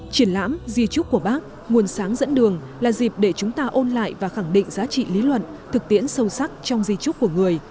triển lãm di trúc của bác nguồn sáng dẫn đường là dịp để chúng ta ôn lại và khẳng định giá trị lý luận thực tiễn sâu sắc trong di trúc của người